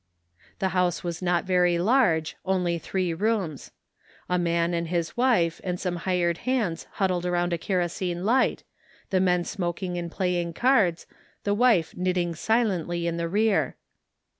The house was not very large, only three rooms. A man and his wife and some hired hands huddled around a kerosene light, the men smoking and pla}ring cards ; the wife knitting silently in the rear.